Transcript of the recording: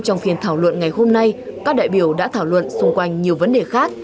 trong phiên thảo luận ngày hôm nay các đại biểu đã thảo luận xung quanh nhiều vấn đề khác